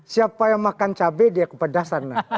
siapa yang makan cabai dia kepedasan